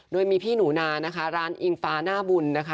โดยมีพี่หนูนานะคะร้านอิงฟ้าหน้าบุญนะคะ